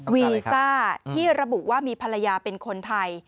วีซ่าที่ระบุว่ามีภรรยาเป็นคนไทย